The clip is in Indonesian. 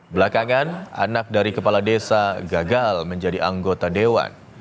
belakangan anak dari kepala desa gagal menjadi anggota dewan